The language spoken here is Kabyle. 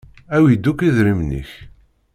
Awi-d akk idrimen-ik!